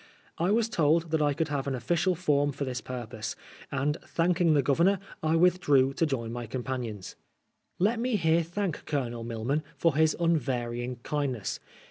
I was told that I could have an ofi&cial form for this purpose ; and, thanking the Gtovemor, I withdrew to join my companions. Let me here thank Colonel Milman for his unvarying kindness.